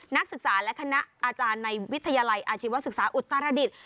นักศึกษาและคณะอาจารย์ในวิทยาลัยอาชีวศึกษาอุตรดิษฐ์